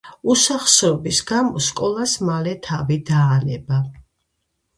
უსახსრობის გამო სკოლას მალე თავი დაანება.